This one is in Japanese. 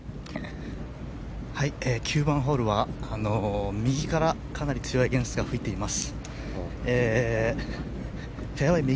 ９番ホールは右からかなり強いアゲンストが吹いています。